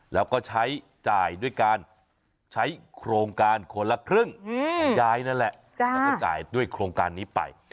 แล้วก็ใช้จ่ายด้วยการใช้โครงการคนละครึ่งย้ายนั่นแหละแล้วก็จ่ายด้วยโครงการนี้ไป